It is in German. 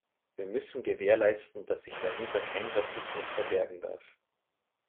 Wir müssen gewährleisten, dass sich dahinter kein Rassismus verbergen darf.